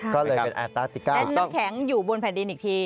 ก็เลยเป็นแอร์ตาร์ติก้าเป็นน้ำแข็งอยู่บนแผ่นดินอีกที